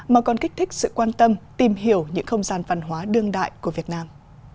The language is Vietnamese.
mà còn kích thích sự quan tâm tìm hiểu những không gian văn hóa đương đại của việt nam